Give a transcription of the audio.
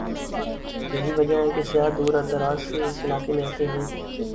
یہی وجہ ہے کہ سیاح دور دراز سے اس علاقے میں آتے ہیں ۔